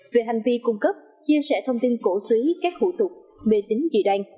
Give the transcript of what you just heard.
về hành vi cung cấp chia sẻ thông tin cổ suý các hữu tục mê tính dị đoan